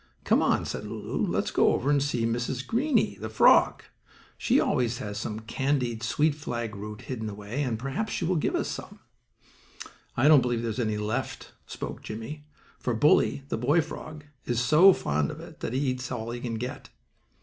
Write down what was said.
"Come on," said Lulu, "let's go over and see Mrs. Greenie, the frog. She always has some candied sweet flag root hidden away, and perhaps she will give us some." "I don't believe there's any left," spoke Jimmie, "for Bully, the boy frog, is so fond of it that he eats all he can get."